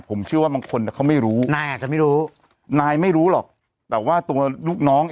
ผมเชื่อว่าบางคนเขาไม่รู้นายอาจจะไม่รู้นายไม่รู้หรอกแต่ว่าตัวลูกน้องอ่ะ